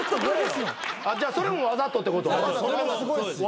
じゃあそれもわざとってこと？